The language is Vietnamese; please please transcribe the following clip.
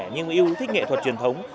nhưng yêu thích nghệ thuật truyền thống